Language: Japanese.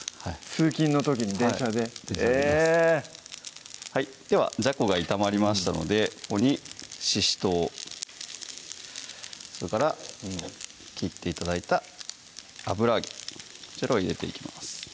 通勤の時に電車でえではじゃこが炒まりましたのでここにししとうそれから切って頂いた油揚げこちらを入れていきます